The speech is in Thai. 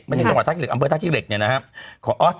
ไม่ใช่จังหวัดท่าขี้เหล็กอำเภอท่าขี้เหล็กนี่นะครับ